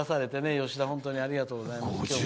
吉田、本当にありがとうございます。